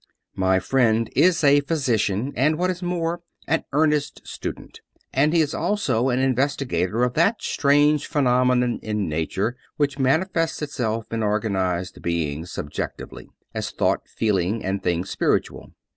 My friend is a physician, and what is more, an earnest student; and he is also an in vestigator of that strange phenomenon in nature which manifests itself in organized beings subjectively, as thought, feeling and things spiritual.